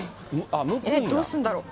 どうするんだろう。